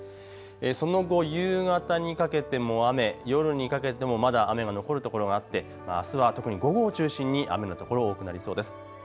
その後、夕方にかけても雨、夜にかけてもまだ雨が残るところがあって、あすは特に午後を中心に雨の所、多くなりそうです。